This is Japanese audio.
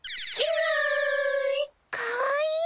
かわいい！